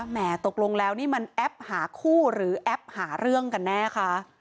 แหมตกลงแล้วนี่มันแอปหาคู่หรือแอปหาเรื่องกันแน่คะ